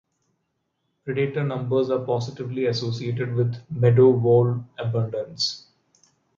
Predator numbers are positively associated with meadow vole abundance.